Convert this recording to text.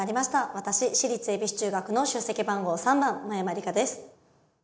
私私立恵比寿中学の出席番号３番真山りかです。